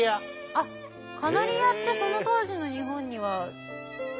あっカナリアってその当時の日本にはいたんですか？